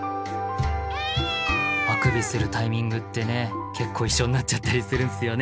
あくびするタイミングってね結構一緒になっちゃったりするんですよね。